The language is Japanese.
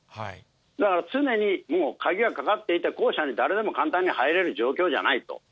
だから、常にもう鍵がかかっていて、校舎に誰でも簡単に入れる状況じゃないと。